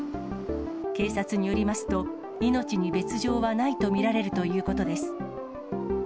警察によりますと、命に別状はないと見られるということです。